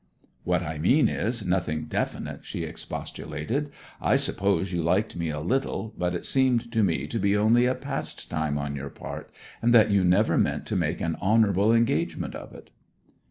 'What I mean is, nothing definite,' she expostulated. 'I suppose you liked me a little; but it seemed to me to be only a pastime on your part, and that you never meant to make an honourable engagement of it.'